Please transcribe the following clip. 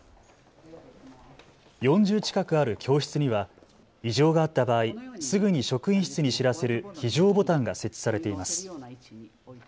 ４０近くある教室には異常があった場合、すぐに職員室に知らせる非常ボタンが設置されています。